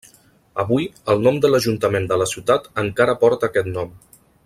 Avui el nom de l'ajuntament de la ciutat encara porta aquest nom.